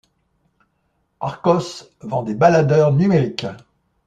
Archos vend des baladeurs numériques.